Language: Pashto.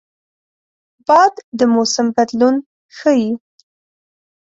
باد د موسم بدلون ښيي